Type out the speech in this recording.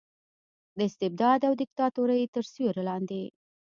د استبداد او دیکتاتورۍ تر سیورې لاندې